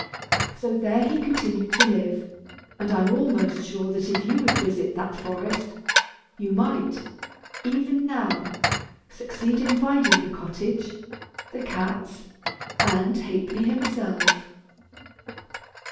So there he continued to live, and I am almost sure that if you would visit that forest, you might, even now, succeed in finding the cottage, the cats, and Ha'penny himself!